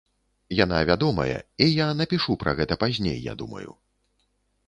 Яна вядомая, і я напішу пра гэта пазней, я думаю.